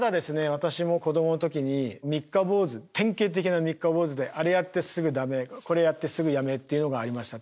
私も子供の時に三日坊主典型的な三日坊主であれやってすぐ駄目これやってすぐやめっていうのがありました。